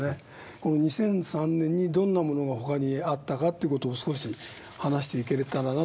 この２００３年にどんなものが他にあったかって事を少し話していけれたらなと思うんですけど。